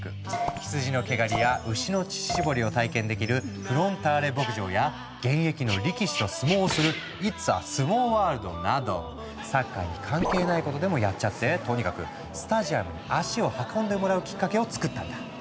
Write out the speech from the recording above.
羊の毛刈りや牛の乳搾りを体験できる「フロンターレ牧場」や現役の力士と相撲をするサッカーに関係ないことでもやっちゃってとにかくスタジアムに足を運んでもらうきっかけをつくったんだ。